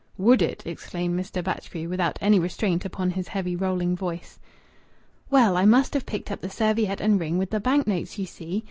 "Would it!" exclaimed Mr. Batchgrew, without any restraint upon his heavy, rolling voice. "Well, I must have picked up the serviette and ring with the bank notes, you see.